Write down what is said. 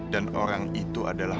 dan ga mau kita jadi nikah